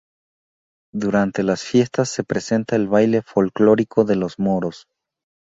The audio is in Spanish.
Durante las fiestas se presenta el baile folclórico de los Moros.